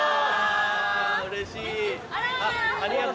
うれしい。